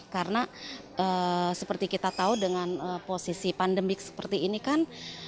karena seperti kita tahu dengan posisi pandemik seperti ini kan